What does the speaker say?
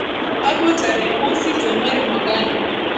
hapo tarehe mosi januari mwakani